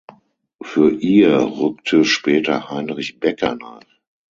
Für ihr rückte später Heinrich Becker nach.